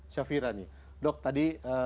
syafirani dok tadi